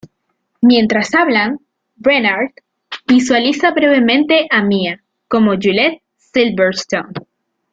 Mientras hablan, Renard visualiza brevemente a Mia como Juliette Silverton.